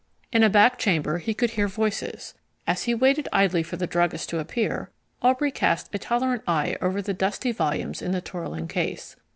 In a back chamber he could hear voices. As he waited idly for the druggist to appear, Aubrey cast a tolerant eye over the dusty volumes in the twirling case.